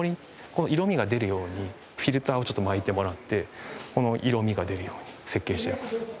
この色味が出るようにフィルターをちょっと巻いてもらってこの色味が出るように設計しております。